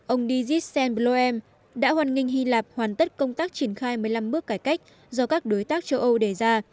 ông dizis senbloem đã hoàn nghênh hy lạp hoàn tất công tác triển khai một mươi năm bước cải cách do các đối tác châu âu đề ra